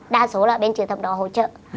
đa số là bên trường thập đó hỗ trợ